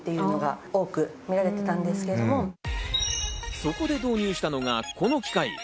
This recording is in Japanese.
そこで導入したのが、この機械。